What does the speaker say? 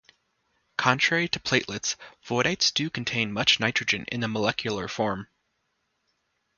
Contrary to platelets, voidites do contain much nitrogen, in the molecular form.